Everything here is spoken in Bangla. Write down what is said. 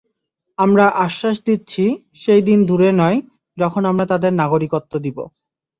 আমরা আশ্বাস দিচ্ছি, সেই দিন দূরে নয়, যখন আমরা তাঁদের নাগরিকত্ব দেব।